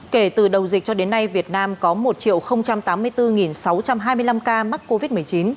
kể từ đầu dịch cho đến nay việt nam có một tám mươi bốn sáu trăm hai mươi năm ca mắc covid một mươi chín